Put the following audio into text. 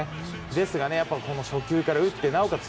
ですが、初球から打ってなおかつ